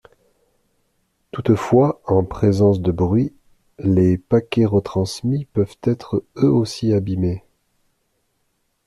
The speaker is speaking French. Toutefois, en présence de bruit, les paquets retransmis peuvent être eux aussi abîmés.